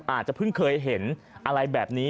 อาจจะเพิ่งเคยเห็นอะไรแบบนี้